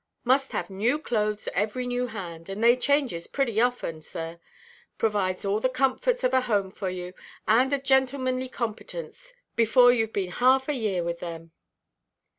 Must have new clothes every new hand, and they changes pretty often, sir. Pervides all the comforts of a home for you, and a gentlemanly competence, before youʼve been half a year with them."